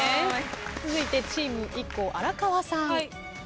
続いてチームＩＫＫＯ荒川さん。